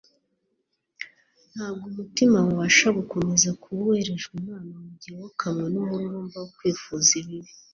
ntabwo umutima wabasha gukomeza kuba uwerejwe imana mu gihe wokamwe n'umururumba wo kwifuza ibibi